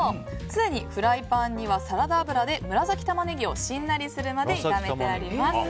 すでにフライパンにはサラダ油で紫タマネギをしんなりするまで炒めてあります。